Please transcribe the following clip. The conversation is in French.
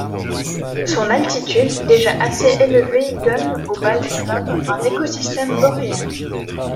Son altitude déjà assez élevée donne au Bald Knob un écosystème boréal.